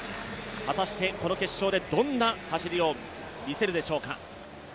果たしてこの決勝でどんな走りを見せるでしょうか。